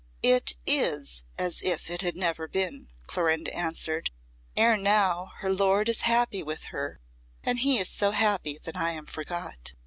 "It is as if it had never been," Clorinda answered. "Ere now her lord is happy with her, and he is so happy that I am forgot.